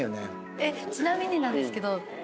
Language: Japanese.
えっちなみになんですけどさっき。